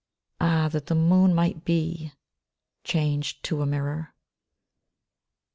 Ah, that the moon might be Changed to a mirror.